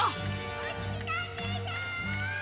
おしりたんていさん！